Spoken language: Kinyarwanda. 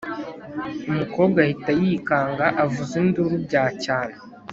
umukobwa ahita yikanga avuza induru bya cyane